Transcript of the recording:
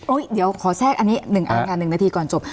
โอ้ยเดี๋ยวขอแทรกอันนี้อาหารยัง๑นาทีก่อนจบ